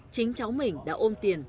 chính cháu mình đã ôm tiền